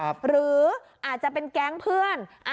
หรืออาจจะเป็นแก๊งเพื่อน